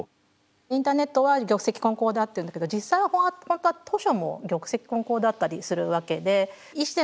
インターネットは玉石混交だっていうんだけど実際はほんとは図書も玉石混交だったりするわけで。